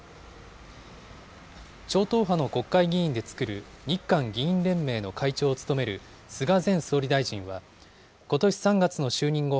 超党派の国会議員で作る日韓議員連盟の会長を務める菅前総理大臣は、ことし３月の就任後